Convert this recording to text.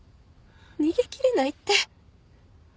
逃げ切れないって。